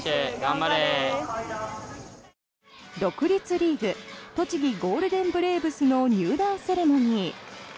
独立リーグ栃木ゴールデンブレーブスの入団セレモニー。